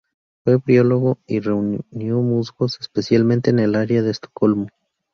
Fue briólogo y reunió musgos especialmente en el área de Estocolmo.